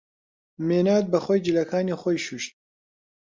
مێناد بەخۆی جلەکانی خۆی شووشت.